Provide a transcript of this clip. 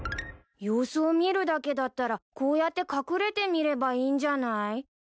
様子を見るだけだったらこうやって隠れて見ればいいんじゃない？